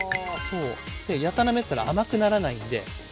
やたらめったら甘くならないんで。